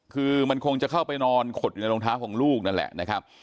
คือมันคงจะเข้าไปนอนขดอยู่ในรองเท้าของลูกนั่นแหละนะครับ